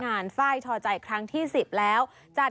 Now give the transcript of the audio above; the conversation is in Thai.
งานฝ้ายทอใจครั้งที่๑๐แล้ว